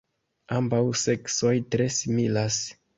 Ambaŭ seksoj tre similas.